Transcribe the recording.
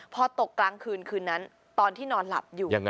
พอตกกลางคืนคืนนั้นตอนที่นอนหลับอยู่